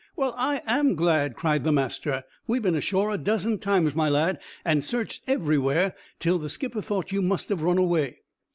"Well, I am glad!" cried the master. "We've been ashore a dozen times, my lad, and searched everywhere, till the skipper thought you must have run away."